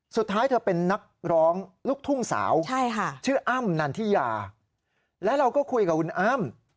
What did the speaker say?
เธอเป็นนักร้องลูกทุ่งสาวชื่ออ้ำนันทิยาและเราก็คุยกับคุณอ้ำ